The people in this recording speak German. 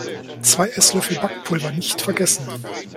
Zwei Esslöffel Backpulver nicht vergessen.